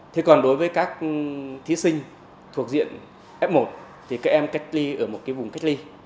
thế còn đối với các thí sinh thuộc diện f một thì các em cách ly ở một cái vùng cách ly